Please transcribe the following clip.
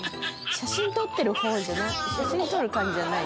写真撮ってるほうじゃない。